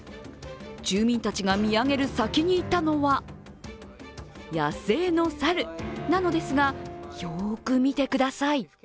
住民たちが見上げる先にいたのは野生の猿なのですが、よーく見てください。